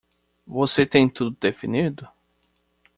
Você tem tudo definido?